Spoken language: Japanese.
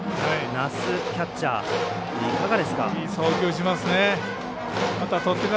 奈須キャッチャーいかがですか？